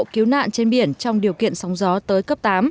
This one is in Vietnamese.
cứu nạn trên biển trong điều kiện sóng gió tới cấp tám